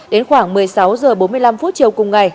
đến khoảng một mươi sáu h bốn mươi năm chiều cùng ngày